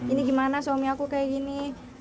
ini gimana suami aku kayak gini